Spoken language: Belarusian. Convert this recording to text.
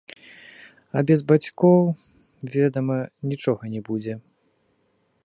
А без бацькоў, ведама, нічога не будзе.